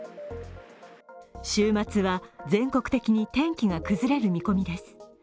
週末は全国的に天気が崩れる見込みです。